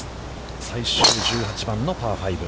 最終１８番のパー５。